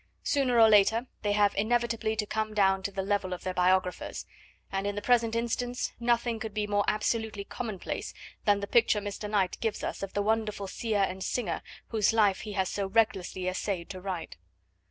Sooner or later they have inevitably to come down to the level of their biographers, and in the present instance nothing could be more absolutely commonplace than the picture Mr. Knight gives us of the wonderful seer and singer whose life he has so recklessly essayed to write.